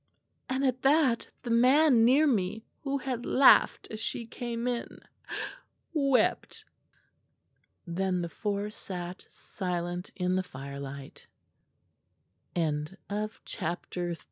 And at that the man near me, who had laughed as she came in, wept." Then the four sat silent in the firelight. CHAPTE